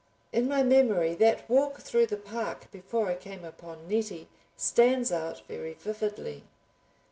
In my memory that walk through the park before I came upon Nettie stands out very vividly.